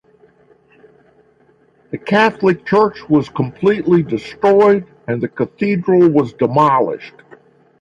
The Catholic Church was completely destroyed and the Cathedral was demolished.